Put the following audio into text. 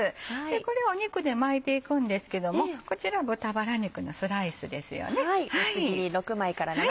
これを肉で巻いていくんですけどもこちら豚バラ肉のスライスですよね。